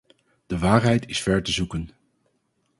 De waarheid is ver te zoeken.